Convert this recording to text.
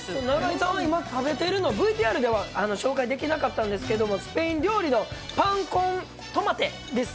ちょうど今食べてるの、ＶＴＲでは紹介できなかったんですけども、スペイン料理のパン・コン・トマテです。